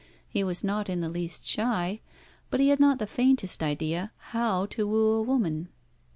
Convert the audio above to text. He was not in the least shy, but he had not the faintest idea how to woo a woman.